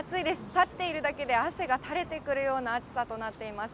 立っているだけで汗がたれてくるような暑さとなっています。